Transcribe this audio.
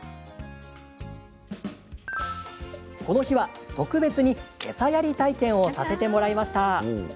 この日は、特別に餌やり体験をさせてもらいました。